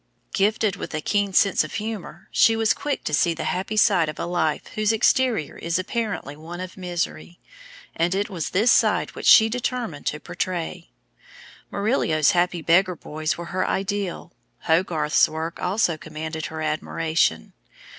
Gifted with a keen sense of humor, she was quick to see the happy side of a life whose exterior is apparently one of misery; and it was this side which she determined to portray. Murillo's happy beggar boys were her ideal; Hogarth's work also commanded her admiration.